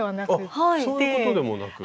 あっそういうことでもなく。